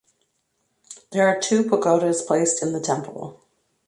There are two pagodas placed in the temple.